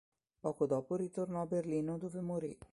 Poco dopo ritornò a Berlino, dove morì.